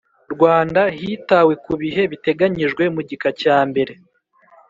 Rwanda hitawe ku bihe biteganyijwe mu gika cya mbere